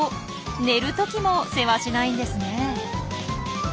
寝る時もせわしないんですね。